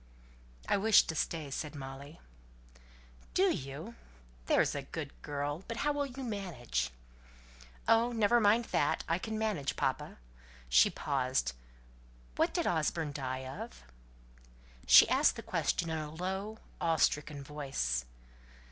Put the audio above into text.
"I wish to stay," said Molly. "Do you? There's a good girl. But how will you manage?" "Oh, never mind that. I can manage. Papa," she paused "what did Osborne die of?" She asked the question in a low, awe stricken voice.